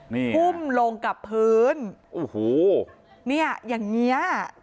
หุ้มลงกับพื้นอย่างนี้